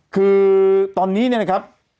คือตอนนี้เนี่ยนะครับ